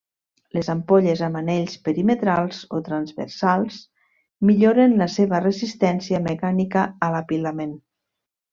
Les ampolles amb anells perimetrals o transversals milloren la seva resistència mecànica a l'apilament.